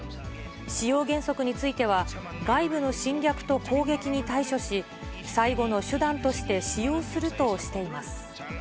使用原則については、外部の侵略と攻撃に対処し、最後の手段として使用するとしています。